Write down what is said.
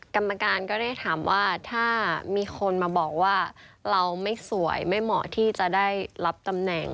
กรรมการก็ได้ถามว่าถ้ามีคนมาบอกว่าเราไม่สวยไม่เหมาะที่จะได้รับตำแหน่ง